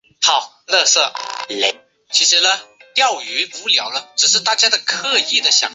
后改任中共江西省委组织部副部长。